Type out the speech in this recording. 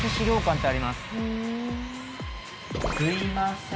すいません。